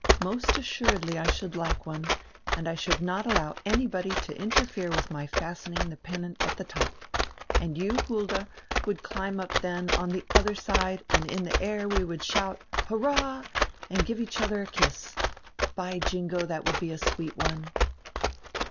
Most assuredly I should like one and I should not allow anybody to inter fere widi my fastening die pennant at die top. And you, Hulda, would climb up dien on die odier side and high in die air we would shout: 'Hurrah!' and give each other a kiss. By Jingo, diat would be a sweet one."